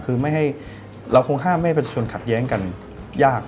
คือเราคงห้ามให้ประชาชนขัดแย้งกันยาก